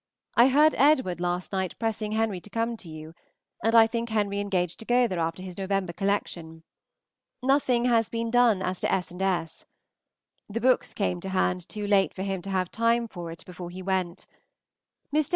I heard Edward last night pressing Henry to come to you, and I think Henry engaged to go there after his November collection. Nothing has been done as to S. and S. The books came to hand too late for him to have time for it before he went. Mr.